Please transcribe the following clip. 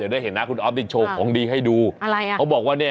จะได้เห็นนะขุนออฟมีที่โชว์ของดีให้ดูเขาบอกว่าเนี้ย